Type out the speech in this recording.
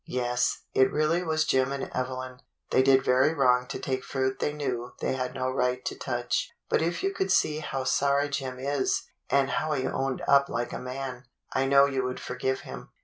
"Yes, it really was Jim and Evelyn. They did very wrong to take fruit they knew they had no right to touch. But if you could see how sorry Jim is, and how he owned up like a man, I know you would for give him.